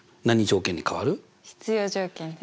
何条件に変わる？必要条件。